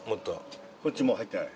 こっちもう入ってない。